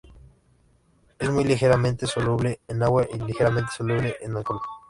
Es muy ligeramente soluble en agua y ligeramente soluble en alcohol.